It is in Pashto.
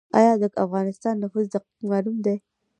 آیا د افغانستان نفوس دقیق معلوم دی؟